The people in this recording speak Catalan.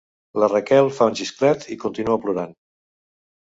La Raquel fa un xisclet i continua plorant.